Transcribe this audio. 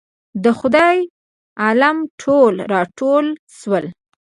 د خدای عالم ټول راټول شول.